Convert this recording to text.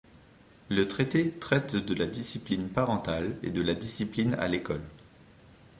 Le traité traite de la discipline parentale et de la discipline à l'école.